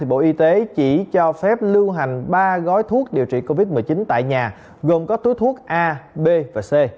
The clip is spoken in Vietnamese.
bộ y tế chỉ cho phép lưu hành ba gói thuốc điều trị covid một mươi chín tại nhà gồm các túi thuốc a b và c